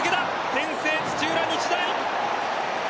先制、土浦日大。